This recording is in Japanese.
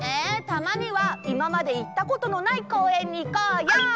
たまにはいままでいったことのないこうえんにいこうよ！